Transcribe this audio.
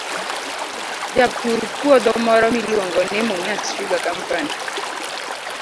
Japur puodho moro miluongo ni Mumias Sugar Company,